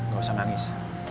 gak usah nangis